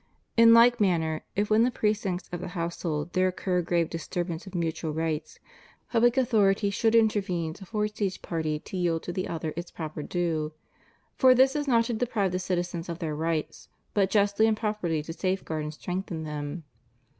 In like manner, if within the precincts of the household there occur grave dis turbance of mutual rights, public authority should inter vene to force each party to yield to the other its proper due ; for this is not to deprive citizens of their rights, but justly and properly to safeguard and strengthen them.